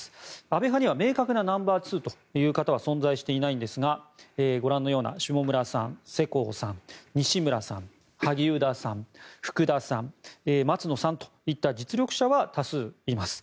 安倍派には明確なナンバーツーという方は存在していないんですがご覧のような下村さん、世耕さん、西村さん萩生田さん、福田さん松野さんといった実力者は多数います。